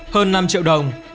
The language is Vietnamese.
hơn năm triệu đồng